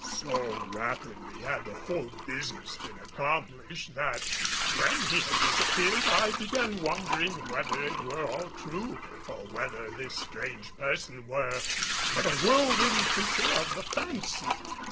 So rapidly had the whole business been accomplished, that when he had disappeared I began wondering whether it were all true, or whether this strange person were but a whirlwind creature of the fancy.